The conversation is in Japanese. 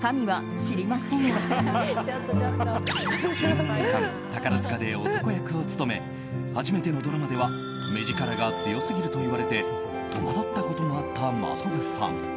１７年間、宝塚で男役を務め初めてのドラマでは目力が強すぎると言われて戸惑ったこともあった真飛さん。